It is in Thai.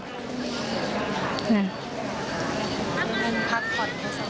นั้นพักผ่อนเพื่อสังคมค่ะ